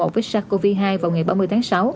với sars cov hai vào ngày ba mươi tháng sáu